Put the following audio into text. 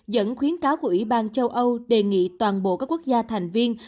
dẫn khuyến cáo của ủy ban châu âu đề nghị toàn bộ các quốc gia thành viên